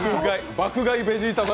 爆買いベジータ侍。